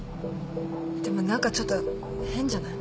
でも何かちょっと変じゃない？